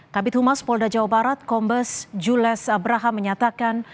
kabit humas polda jawa barat kombes jules abraham menyatakan